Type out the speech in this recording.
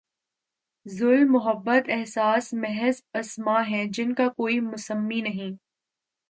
ظلم، محبت، احساس، محض اسما ہیں جن کا کوئی مسمی نہیں؟